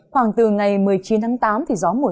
khoảng từ ngày một mươi chín tháng tám thì gió mùa